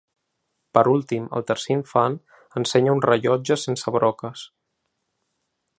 Per últim, el tercer infant, ensenya un rellotge sense broques.